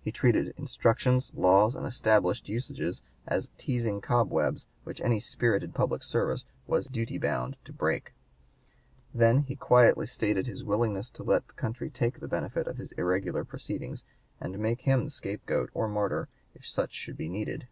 He treated instructions, laws, and established usages as teasing cobwebs which any spirited public servant was in duty bound to break; then he quietly stated his willingness to let the country take the benefit of his irregular proceedings and make him the scapegoat or martyr if such should be needed.